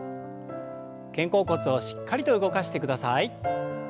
肩甲骨をしっかりと動かしてください。